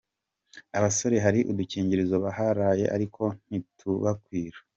Abasore hari udukingirizo baharaye ariko ntitubakwira.